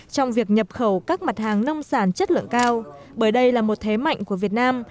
trong việc nhập khẩu các mặt hàng nông sản chất lượng cao bởi đây là một thế mạnh của việt nam